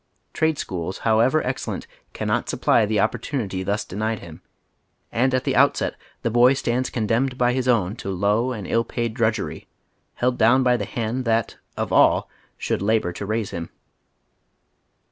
Trade schools, however excellent, cannot supply the opportunity thus denied him, and at the outset the boy stands condemned by his own to low and ill paid drudgery, held down by the haud that of all should labor to raise him.